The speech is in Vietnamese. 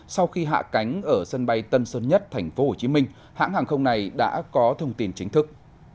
sau khi hạ cánh ở sân bay tân sơn nhất tp hcm hãng hàng không này đã có thông tin chính thức